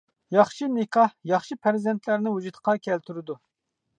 ياخشى نىكاھ، ياخشى پەرزەنتلەرنى ۋۇجۇدقا كەلتۈرىدۇ.